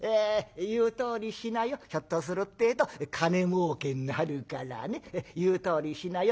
ひょっとするってえと金もうけになるからね言うとおりにしなよ。